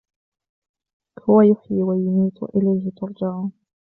هو يحيي ويميت وإليه ترجعون